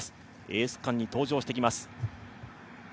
エース区間に登場してきます。